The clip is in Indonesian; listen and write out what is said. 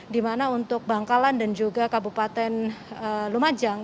di mana untuk bangkalan dan juga kabupaten lumajang